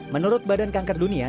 menurut badan kanker dunia